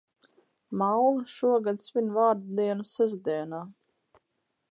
Malva šogad svin vārda dienu sestdienā.